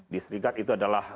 distrikat itu adalah